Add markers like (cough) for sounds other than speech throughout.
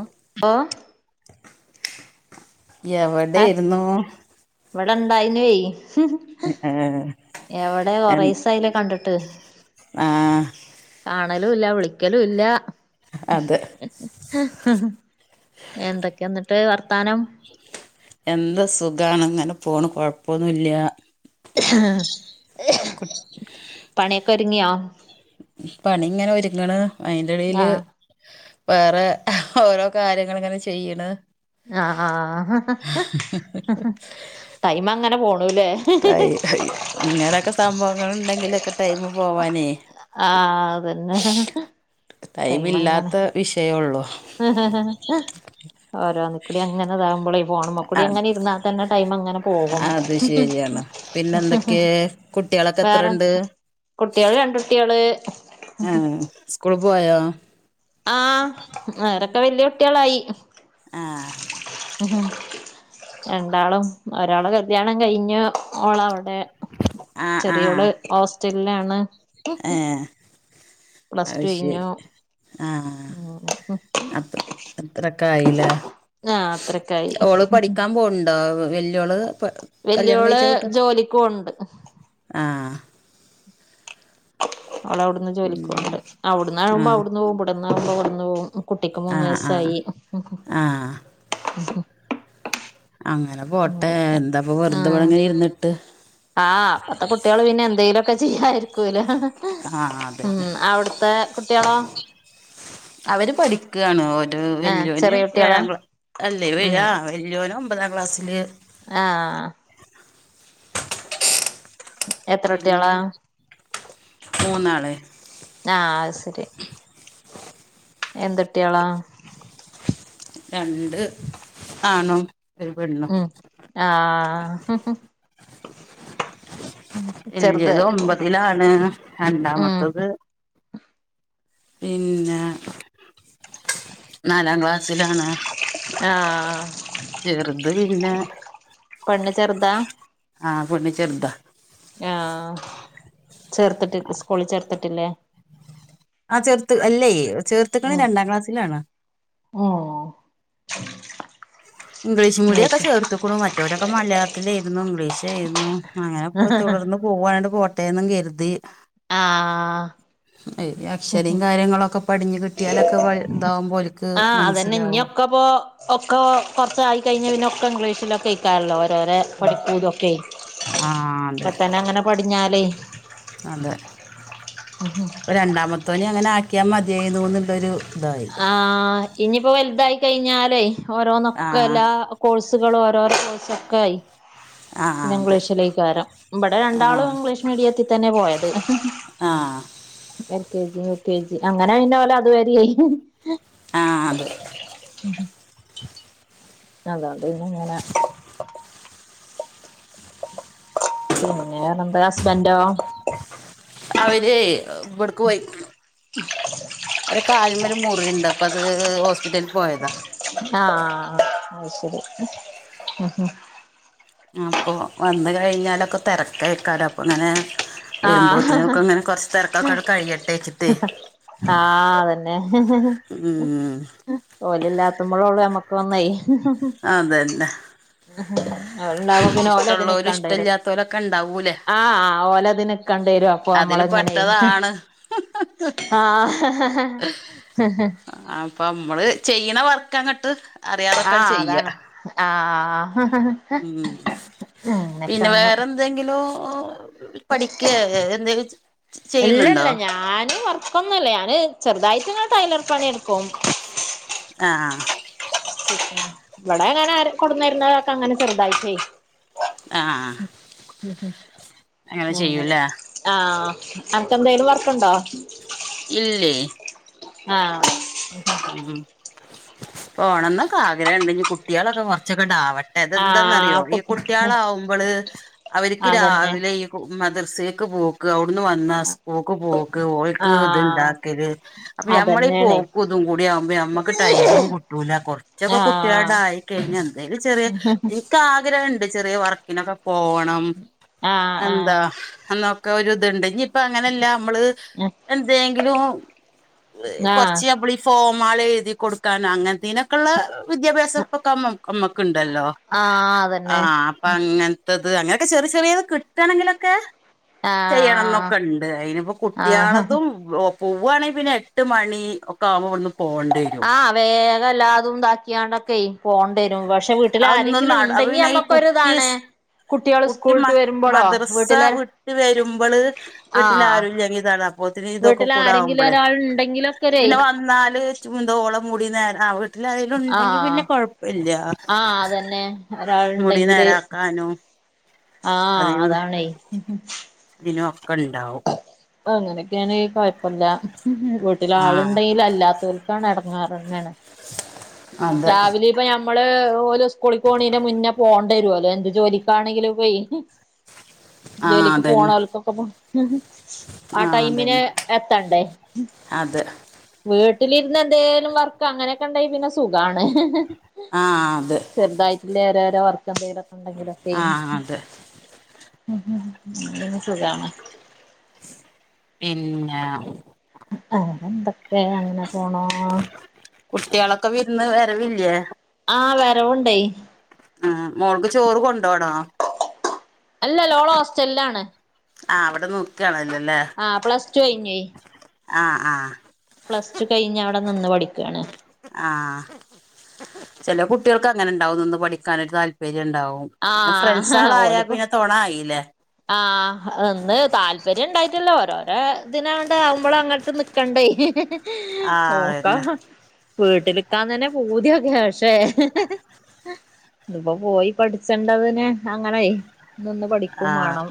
ഉമ് ഓഹ് ഹ എവിടെയിരുന്നു?? ഇവിടെ ഇണ്ടായിനിയെ ഏഹ് എവിടെ എൻ ഒറെസായിലെ കണ്ടിട്ട്? ആഹ് കാണലുംല്ല, വിളിക്കലുംല്ല. അത് എന്തൊക്കെയ എന്നിട്ട് വർത്താനം? എന്താ സുഖാണ് അങ്ങനെ പോണ് കൊഴപ്പൊന്നുല്ല്യ ആഹ്. കൊർച് പണിയൊക്കെ ഒതുങ്ങിയോ? പണി ഇങ്ങനെ ഒരുങ്ങണ് അതിന്റെടേയില് ആഹ് വേറെ ഓരോ കാര്യങ്ങൾ ഇങ്ങനെ ചെയ്യണ്. ആഹ് ആഹ് ടൈം അങ്ങനെ പോണൂല്ലേ? ഹായ് ഹായ് ഇങ്ങനൊക്കെ സംഭവങ്ങളുണ്ടെങ്കിലൊക്കെ ടൈമു പോവാനേ ആഹ് അതന്നെ. ടൈമില്ലാത്ത വിഷയൊള്ളു. ഹ്ഹ ഹ്ഹ ഹഹ. എല്ലാംകൂടി അങ്ങാനാതാകും പോളെ. ഫോണുമ്മേ കൂടി അത് അങ്ങനെ ഇരുന്നാ തന്നെ ടൈം അങ്ങനെ പോകും അത് കുട്ട്യാളൊക്കെ എത്രയുണ്ട്? കുട്ട്യാള് രണ്ടുട്ട്യോള്... ആഹ് സ്കൂളി പോയോ? ആഹ് അവരൊക്കെ വല്യ കുട്ട്യാളായി ആഹ് രണ്ടാളും ഒരാള് കല്യാണം കഴിഞ്ഞു ഓളവിടെ പിന്നെ ആഹ് ചെറിയോള് ആഹ് ഹോസ്റ്റലിലാണ്. ഏഹ് പ്ലസ് അത് ടു ശരി കഴിഞ്ഞു. ആഹ് ഉം അത്ര അത്രയിക്കയിലെ ആ അത്രക്കായി ഓള് പഠിക്കാൻ പോണ്ടോ? വല്യോള് കല്യാണം വല്ല്യോള് കഴിച്ച വീട്ട് ജോലിക്ക് പോവുണ്ട്.. ആഹ് അവളവിടുന്ന് ജോലിക്ക് ഉം പോവുന്നുണ്ട്. അവിടുന്ന് ആകുമ്പോ ആഹ് അവിടുന്ന് പോവും ഇവിടുന്നു ആകുമ്പോ ഇവിടുന്ന് പോകും. കുട്ടിക്ക് മൂന്നു ആഹ് ആഹ് വയസ്സായി. ആഹ് അങ്ങനെ പോട്ടെ അങ്ങനൊക്കെ എന്താപ്പ വെറുതെ ഇവിടെങ്ങനെ ഇരുന്നിട്ട്. ആഹ് ഇപ്പത്തെ കുട്ടികള് പിന്നെ എന്തെങ്കലുക്കെ ചെയ്യായിരിക്കൂല. ആഹ് അതന്നെ ഉമ് അവിടുത്തെ കുട്ടിളോ? അവര് പഠിക്കയാണ് ഒരു ആ വല്യോന് ചെറിയ കുട്ടികളാ ഏഴാം ക്ലാസ്സ് അല്ലേ ആറാം ക്ലാസ്സിൽ. വല്യോന് ഒൻപതാം ക്ലാസ്സിലു... ആഹ്. എത്ര പിന്നെ കുട്ടികളാ മൂന്നാള്. ആഹ് അത് ശരി എന്തുട്ട്യോളാ? രണ്ട് ആണും. ഒരു പെണ്ണും ഉമ് ആഹ് ചെറുത് വല്ല്യത് ഒമ്പതിലാണ് ഉമ് രണ്ടാമത്തത് പിന്നെ നാലാം ക്ലാസ്സിലാണ്. ആഹ് ചെറുത് പിന്നെ പെണ്ണ് ചെറുതാ? ആഹ് പണ്ണ് ചെർതാ. ആഹ്, ചേർത്തിട്ട് സ്കൂളിൽ ചേർത്തിട്ടില്ലേ? ആ ചെർത്ത് അല്ലേയ്, ചേർത്ത്ക്ക്ണ് രണ്ടാം ക്ലാസ്സിലാണ്. ഓഹ് ഇംഗ്ലീഷ് മീഡിയം ഒക്കെ ചേർത്ത്ക്ക്ണു മറ്റൊരൊക്കെ മലയാളത്തിലെര്ന്നു ഇംഗ്ലീഷേരുന്നു അങ്ങനെപ്പൊ തുടർന്ന് പോവാ (unintelligible) പോട്ടെന്നും കര്തി. ആഹ്. ഏയ്‌ അക്ഷരിം കാര്യങ്ങളൊക്കെ പടിഞ് കിട്ടിയാലൊക്കെപൊ താവുംമ്പോ ഓല്ക്ക് മൻസ്സിലാവും. അപ്പോ ഒക്കൊ കൊർച്ച ആയി കഴിഞ്ഞ പിന്നെ ഒക്കെ ഇംഗ്ലീഷിലൊക്കെ അയ്ക്കാരല്ലോ ഓരോരേ ആ പഠിപ്പുതൊക്കെ ആ ഇപ്പൊ അതെ തന്നെ അങ്ങനെ പടിഞ്ഞാലേയ് (inaudible) രണ്ടാമത്തോെനിം അങ്ങനെ ആക്കിയാമതിയായിന്നു ന്നുള്ളൊരു ആഹ്, ഇനിയിപ്പോ വൽതായി കഴിഞ്ഞാലേയ് ഓരോ ആ നൊക്കല്ല എല്ലാ കോഴ്സുകള് ഓരോരോ കോഴ്സും ഒക്കെ ആയി. ആ പിന്നെ അത് ഇംഗ്ലീഷിലൈകാരം ഇവടെ ആ രണ്ടാളും ഇംഗ്ലീഷ് മീഡിയത്തി തന്നെ പോയത്. ആഹ്. L K. G U. K. G അങ്ങനെ പിന്നെ ഓല്‌ അതുവരെയായി. ആഹ് അത്. അതൊണ്ട് ഇന്നങ്ങനെ പിന്നെ എന്താ ഹസ്ബൻന്റോ? അവര് ഇവ്ട്ക്ക് പോയിക്ക് ഓരെ കാൽമ്മേ ഒര് മുറിണ്ട് അപ്പ അത് ഹോസ്പിറ്റൽ ആഹ് അത് ശരി (unintelligible) അപ്പോ വന്ന് കഴിഞ്ഞാലൊക്കെ തെരക്കയ്ക്കാരംഅപ്പ ങ്ങനെ ആഹ് വരുമ്പോത്തിനൊക്ക ങ്ങനെ കൊറച്ച് തെരക്കൊക്കെ കഴിയട്ടേചിട്ടെയ്. ആഹ് അതന്നെ ഹേ ഹ് ഹ്. ഉം ഓല് ഇല്ലാത്തുമ്പോഴള്ളു നമ്മക്ക് ഒന്നെയ് അതന്നെ ഓല്ണ്ടാവുമ്പോ പിന്നെ ഇഷ്ടമുള്ളവരും ഓലതിനൊക്കെണ്ടയ്രു ഇഷ്ടമില്ലാത്തവരൊക്കെ ഉണ്ടാവൂലേ ആ ഓലതിനക്കെ ക്കണ്ടരും അപ്പൊ അതില് നമ്മളഇങ്ങനെയ് പെട്ടതാണ് ആഹ്, ഹ് ഹ് ഹ് ഹ് അപ്പൊ മ്മള് ചെയ്യ്ണ വർക്ക് അങ്ങട്ട് അറിയാതൊക്കെ അങ്ങട് ആഹ് ചെയ്യ അതാണ് ആ ആ ഹ് ഹ്. ഉം, പിന്നെ അങ്ങനെ വേറെ എന്തെങ്കിലോ ഓ പഠിക്കേ എന്തങ്കിലും ചെയ്യുന്നുണ്ടോ? ഇപ്പൊന്നുല്ല ഞാന് ചെറുതായിട്ട്ങ്ങെ ടൈലർ പണി ട്ക്കും. ആഹ്. വടെ എങ്ങനെ കൊടുന്നരുന്നതൊക്കെ അങ്ങനെ ചെറുതായിട്ടേയ് ആഹ്. ഉ ഉം അങ്ങനെ? ആഹ്, അൻക്ക്ന്തേലും വർക്കുണ്ടോ? ഇല്ലേയ്. ആഹ്. മ്മ്ഹ്, പോണം ന്നൊക്കെ ആഗ്രഹണ്ട് ഇഞ് കുട്ടീളൊക്കെ കൊർച്ചൊക്കെങ്ങട്ടെ ആവ അതെന്താന്നറിയോ ആഹ് ഈ കുട്ടി കുട്ടീളാ ആവുമ്പള് അവര്ക്ക് അതന്നെ രാവിലെഈ മദർസ്സേക്ക് പോ അവിടുന്ന് വന്നാ സ്കൂൾക്ക് പോക്ക് ഓൾക്ക് ഇത് ആഹ് ഇണ്ടാക്കല് അപ്പൊ ഞമ്മളീ പോ അതന്നെയാണേ കൊതും കൂടിയകുമ്പ നമ്മുക്ക് ടൈമും കിട്ടൂലാ കുറച്ചൊക്കെ കുട്ടികളുടെ ആയി കഴിഞ്ഞാ എന്തെങ്കിലും ചെറിയ ഹം ക്കാഗ്രഹുണ്ട് ചെറിയ വർക്കിനൊക്കെ പോകണം ആഹ് എന്താ ആഹ് എന്ന ക്ക ഒരുതുണ്ട് ഇനിയിപ്പ അങ്ങനെയല്ല നമ്മള് എന്തെങ്കിലും ആഹ് ഈ ഫോമാകള് എഴുതി കൊടുക്കാനോ അങ്ങനത്തനൊക്കെയുള്ള വിദ്യാഭ്യാസം ഇപ്പൊക്കമ അമ്മക്കുണ്ടല്ലോ ആഹ് അതന്നെ ആഹ് അപ്പങ്ങ ത്തത് അങ്ങനെയൊക്കെ ചെറിയ ചെറിയത് കിട്ടണെങ്കിലൊക്കെ ചെയ്യണം ആഹ് എന്നൊക്കെ ഉണ്ട് അയിനിപ്പോ ആഹ് കുട്ടികളതും പോവുവാണെങ്കിൽ പിന്നെ എട്ട് മണി ഒക്കെ ആവുംമ്പോ ഇവ്ട്ന്ന് പോണ്ടേരും. ആ വേഗം അല്ലാതും ഉതാക്കിയാണ്ടൊക്കെ പോണ്ടേരും പക്ഷെ പ്പ വീട്ടിൽ അതൊന്നും ആരെങ്കിലും നട അപ്പൊ ഉണ്ടെങ്കി പിന്നെ ഈ കുട്ടി നമ്മക്കൊരിതാണ്. കുട്ടികള് കുട്ടി മ സ്കൂളിട്ട് വരുമ്പോളോ മദ്രസ വീട്ടില് വിട്ട് വരുമ്പോള് വീട്ടിൽ ആഹ് ആരുംല്ലെങ്കിൽ ഇതാണ് ഒത്തിരി ഇതൊക്കെ വീട്ടിൽ കൂട ആരെങ്കിലും ആവുമ്പോളേ ഒരാൾ ഉണ്ടെങ്കിലൊക്കെരേ പിന്നെ വന്നാല് കുറ്റ മുന്തോളം മുടി നേരം ആ വീട്ടിലതില് ണ്ടെങ്കിൽ ആഹ് പിന്നെ കുഴപ്പല്ല ആഹ് അതന്നെ ഒരാളുണ്ടെങ്കില് നേരാക്കാനും ആഹ് അതാണേ. തിനൊക്കെണ്ടാവും. അങ്ങനെയൊക്കെയാണ് കൊഴപ്പമില്ല വീട്ടില് ആഹ് ആളുണ്ടെങ്കിൽ അല്ലാത്തത് ഇടാണ് അതെ രാവിലെ ഇപ്പ ഞമ്മള്ഓള് സ്കൂളി പോണീ മുന്നേ പോണ്ടിരുമല്ലോ എന്ത് ജോലിക്കാണെങ്കിലും പോയി (unintelligible) ആഹ് ജോലിക്ക് അതന്നെ പോണവൽക്കൊക്കപ്പോ ആ ആഹ് ടൈമിന് അതന്നെ എത്തണ്ടേ? അതെ വീട്ടിലിരുന്ന് എന്തേലും വർക്ക് അങ്ങനെയൊക്കെ ഉണ്ടായി പിന്നെ സുഖാണ്. ആഹ് അതെ ചെറുതായിട്ടില്ലേ ഓരോരോ വർക്ക് എന്തെങ്കിലൊക്കെ ഉണ്ടെങ്കിലൊക്കെ ആഹ് അതെ ഉം (unintelligible) സുഖാണ്. പിന്ന അ എന്തൊക്കെ അങ്ങനെ പോണോ കുട്ടികളൊക്കെ വിരുന്ന് വരവില്ലേ? ആഹ് വരവൊണ്ടേ ആഹ് മോൾക്ക് ചോറ് കൊണ്ടോണോ? അല്ല ഓള് ഓസ്റ്റല്ലാണ് ആഹ് അവിടെ നിക്കാണല്ലോല്ലേ? ആഹ് പ്ലസ് ടു കയിഞ്ഞ്. ആഹ് ആഹ്. പ്ലസ് ടു കഴിഞ്ഞ് അവിടെ നിന്ന് പഠിക്കുവാണ് ആഹ് ചെല കുട്ടികൾക്ക് അങ്ങനെ ഉണ്ടാവും നിന്ന് പഠിക്കാനൊരു താൽ ര്യ ഉണ്ടാവും ആ പിന്നെ ഫ്രണ്ട്സ് ആൾ ആയാൽ ഓലിപ്പോ പിന്നെ തൊണ ആയില്ലേ ആഹ് ഒന്ന് താല്പര്യം ഉണ്ടായിട്ടല്ല ഓരോ ഏ ഇതിനാവണ്ട ആവുമ്പോളും അങ്ങോട്ട് നിക്കണ്ടേ ആഹ് നോക്കാ അതന്നെ വീട്ടിലിക്കാൻ തന്നെ പൂതിയൊക്കെ പക്ഷേ ഇപ്പൊ പോയി പഠിച്ചേണ്ടതിന് അങ്ങനായി നിന്ന് പഠിക്ക ക്കും ആഹ് വേണം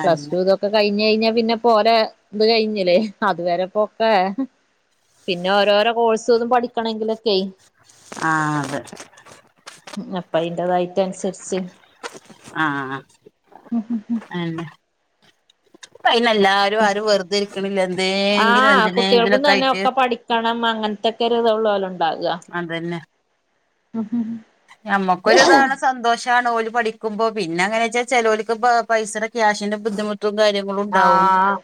പ്ലസ് അതന്നെ ടു ഇതൊക്കെ കഴിഞ്ഞ് കഴിഞ്ഞാ പിന്നെ ഓര ഇത് കഴിഞ്ഞില്ലേ അതുവരെപ്പൊക്കെ പിന്നെ ഓരോരോ കോഴ്സ് ഒന്നും പഠിക്കണെങ്കിലൊക്കെയ ആഹ് അതെ. ഉം അപ്പ അതിന്റേതായിട്ട് അനുസരിച്ച് ആഹ്. ഉം ഉം ഉം അതെന്നാ ഇപ്പൊ അയ്ന് എല്ലാരും ആരും വെറുതെ ഇരിക്കണില്ല എന്തെങ്കിലും എന്തിനെങ്കിലൊക്കായിട്ട് കണം അങ്ങനത്തെക്കെ ഒരുതൊള്ളോലുണ്ടാവാ അതന്നെ ഉ ഹു ഹും ഞമ്മക്കൊര്താണ് സന്തോഷാണ് ഓല് പഠിക്കുമ്പോ പിന്നെ അങ്ങനെച്ചാ ചേലോൽക്ക് പ്പ പൈസേടെ ക്യാഷിന്റെ ബുദ്ധിമുട്ടും കാര്യ ക്കുളു ണ്ടാവും ആഹ്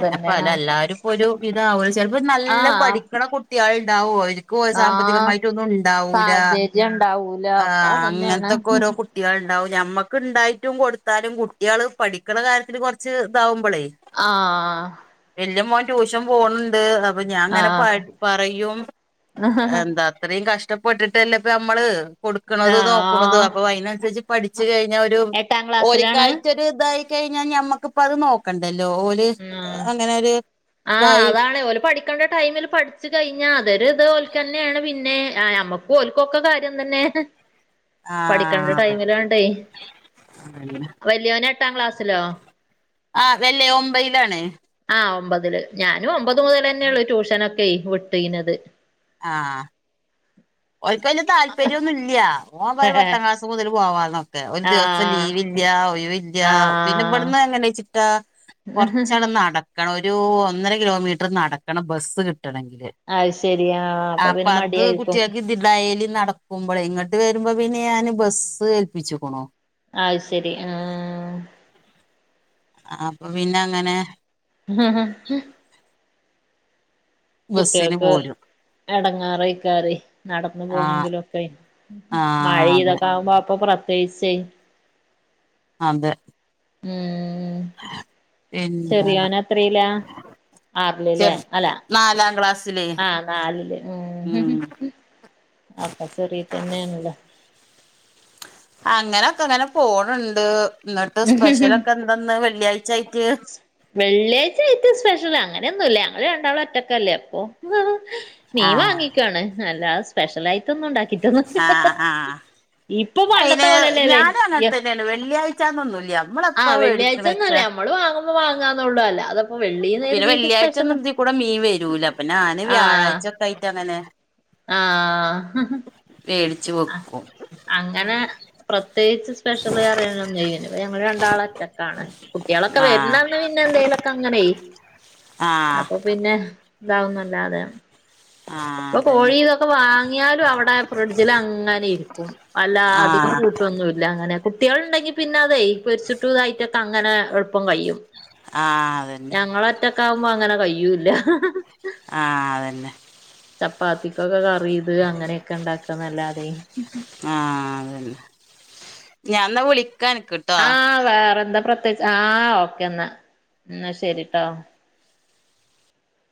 പിന്ന അപ്പല എല്ലാരും ഇപ്പൊരു വിധാവൂല ചെൽപ്പം നല്ല ആഹ് പഠിക്കണ കു കുട്ട്യാളൊണ്ടാവു അവര്ക്കും സാമ്പത്തികമായിട്ടൊന്നുണ്ടാവൂല ജ്ണ്ടാവു ആ അങ്ങൻത്തൊക്കൊരോ കുട്ട് ട്ട്യാളുണ്ടാവും ഞമ്മക്ക് ണ്ടായിട്ടും കൊടുത്താലും കുട്ട്യേൾ പഠിക്ക്‌ണ കാര്യത്തില് കൊറച്ച് ഇതാവുമ്പളേയ് ആ വല്യമോൻ ട്യൂഷൻ പോണുണ്ട് അപ് പ്പ ഞാൻ അങ്ങനെ പ ആഹ് പറയും എന്താ അത്രയും കഷ്ടപ്പെട്ടിട്ടല്ലേ പ്പഞമ് മ്മള് കൊടുക്കണതു ദോക്ക്‌ണതു ആഹ് അപ്പൊ അയ്നൻസര്ച്ച് പഠിച്ചുകഴിഞ്ഞാ ഒരു എട്ടാം ക്ലാസ്സിലാണ് ഓലിക്കായിട്ടൊരുതായി കഴിഞ്ഞാ ഞമ്മക്കിപ്പത് നോക്കണ്ടല്ലോ ഓൽ ര് അങ്ങനെയൊര് തായി ആണ് ഓല് പഠിക്കണ്ട ടൈമില് പഠിച്ച്കഴിഞ്ഞാ അതൊരുരിത് ഓൽക്കന്നേണ് പിന്നെ ആ ഞമ്മക്ക്‌ പ്പോ ഓൽക്കൊക്കെ കാര്യം തന്നെ ഹ് പഠിക്കേണ്ട ആഹ് അതന്നെ ടൈമിലാണ്ടെ, അതന്നെ വല്യോൻ എട്ടാം ക്ലാസ്സിലോ ആ അതല്ലേ ഒമ്പെയ്ലാണ് ആ ഒമ്പതില് ഞാനും ഒമ്പതു മുതലന്നൊള്ളു ട്യൂഷനൊക്കേയ് വിട്ടീനത് ആ ഒൽക്ക്‌ വല്യ താല്പര്യയൊന്നുല്ല്യാ ഓം പറി പത്താം ക്ലാസുമുതല് പോവാന്നൊക്കെ ഒരു ദിവ ഇപ്പ ആഹ് ലീവില്ല്യ ഒയിവില്ല്യ പിന്നെ ആഹ് ഇബടന്ന് എങ്ങനെച്ചിട്ടാ കൊറച്ചട് നടക് ക്കണൊരു ഒന്നര കിലോമീറ്റർ നടക്കണം ബസ്സ് കിട്ടണങ്കില് അയ്ശെരിയാ അപ്പൊപിന്നെ മടിയായിരിക്കും ഇദ് ഡയ്ലി നടക്കുമ്പളെ ഇങ്ങട്ട് വരുമ്പോ പിന്നെ ഞാൻ ബസ്സ് ഏൽപ്പിച്ചുക്കണു അയ്‌ശെരി ആ അ അപ്പൊ പിന്നെയങ്ങനെ ഹ് ഹ് ഹ് ബസ്സിനുപോലും എടങ്ങേറയ്ക്കാരെ നടന്നു ആ പോണെങ്കിലൊക്കെ ആ മഴ അതെ ഇതൊക്കെ ആകുമ്പോ അപ്പൊ പ്രത്യേകിച്ചേ അതെ ഉം പിന്നെ ചെറിയൊനെത്രീലാ ആറില് ലേ ചെറ് അല്ല നാലാം ക്ലാസ്സിലേ ആ നാലില് ഉം ഹ് ഹ് ഹ് (unintelligible) അപ്പ ചെറീതന്നെയാണല്ലോ അങ്ങനൊക്കെക്കങ്ങനെ പോണൊണ്ട് ന്നട്ട് സ്പെഷ്യലൊക്കെന്തെന്ന് വെള്ളിയാഴ്ച്ചായിട്ട് വെള്ളിയാഴ്ചായിട്ട് സ്പെഷ്യല് അങ്ങനൊന്നുല്ല ഞങ്ങള് രണ്ടാളും ഒറ്റക്കല്ലേ അപ്പൊ ആ മീം വാങ്ങിക്കാണ് അല്ലാതെ ആ സ്പെഷലായിട്ടൊന്നുണ്ടാക്കിട്ടൊന്നുല്ലാ ആ ഇപ്പൊ പണ്ടത്തെ പോലെല്ല ല്ലേ എപ് വെള്ളിയാഴ്ചാന്നൊന്നുല്ല്യാ നമ്മളെപ്പ വെടിക്കെണെച്ചാ മ്മള് വാങ്ങുമ്പോ വാങ്ങാന്നൊള്ളൂ അല്ലാതപ്പോ പിന്നെ വെള്ളീന്നുകരുതീട്ട് വെള്ളിയാഴ്ച സ്പെഷ്യല് ഒന്നും ഇതി കൂടെ മീൻ വരൂലാ പിന്നെ ഞാന് ആ വ്യാഴാഴ്ചയോക്കെയായിട്ടങ്ങനെ ആ മേടിച്ചു വെക്കും അങ്ങനെ പ്രത്യേകിച്ച് സ്പെഷ്യല റിയാനൊന്ന് ഇല്യഞ്ഞിപ്പഞങ്ങൾ രണ്ടാളൊറ്റക്കാണ് കുട്ടികളൊക്കെ ആഹ് വരുന്നന്ന് പിന്നെ എന്തേലൊക്കെ അങ്ങനെ ആഹ് അപ്പൊ പിന്നെ, താവുന്നല്ലാതെ. ആഹ് ഇപ്പൊ അതന്നെ കോഴി തൊക്കെ വാങ്ങിയാലും അവടെ ഫ്രിഡ്ജിലങ്ങനെ ഇര്ക്കും. അല്ല അധികം ആഹ് കൂ ഒന്നൂല്ല. ങ്ങനെ കുട്ട്യേൾണ്ടെങ്കി പിന്നെതെയ് ഈ പൊരിച്ചിട്ടുതായിട്ടൊക്കെ അങ്ങനെ എൾപ്പം കയും. ആഹ് അതന്നെ ഞങ്ങളൊറ്റക്കാവുമ്പോ അങ്ങനെകയ്യൂല്ല്യ. ഹ ഹ ഹ ആഹ്, അതന്നെ. ചപ്പാത്തിക്കൊക്കെ കറിയിത് അങ്ങനെയൊക്കെ ണ്ടാക്കാന്നല്ലാതെയ് ആഹ്, തന്നെ. ഞാന്നാ വിളിക്കൻക്. ആഹ്, വേറെന്താ പ്രത്യേച്ച്. ആഹ്, ഓക്കെ ന്നാ, ന്നാ ശരിട്ടോ.